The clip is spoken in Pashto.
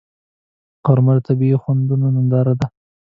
غرمه د طبیعي خوندونو ننداره ده